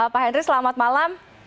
pak hendry selamat malam